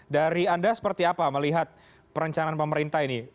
dari anda seperti apa melihat perencanaan pemerintah ini